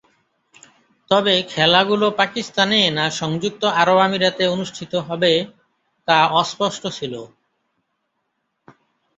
তবে, খেলাগুলো পাকিস্তানে না সংযুক্ত আরব আমিরাতে অনুষ্ঠিত হবে তা অস্পষ্ট ছিল।